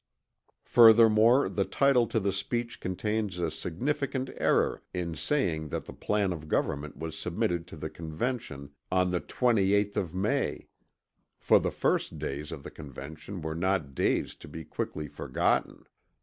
Furthermore the title to the speech contains a significant error in saying that the plan of government was submitted to the Convention "on the 28th of May"; for the first days of the Convention were not days to be quickly forgotten.